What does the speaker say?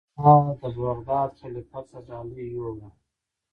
ما د بغداد خلیفه ته ډالۍ یووړه.